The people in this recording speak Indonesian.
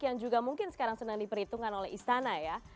yang juga mungkin sekarang sedang diperhitungkan oleh istana ya